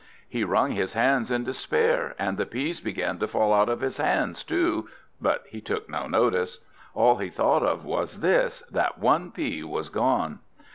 He wrung his hands in despair, and the peas began to fall out of his hands too, but he took no notice. All he thought of was this, that one pea was gone.